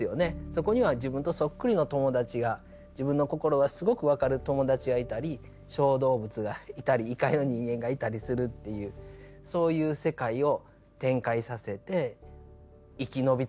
そこには自分とそっくりの友達が自分の心がすごく分かる友達がいたり小動物がいたり異界の人間がいたりするっていうそういう世界を展開させて生き延びていくわけですよ。